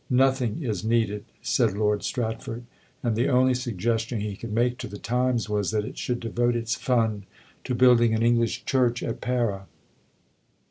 "Nothing is needed," said Lord Stratford, and the only suggestion he could make to the Times was that it should devote its fund to building an English Church at Pera.